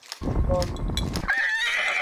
Ng bonu.